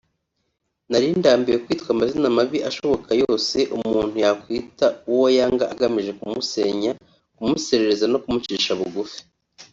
nari ndambiwe kwitwa amazina mabi ashoboka yose umuntu yakwita uwo yanga agamije kumusenya kumusesereza no kumucisha bugufi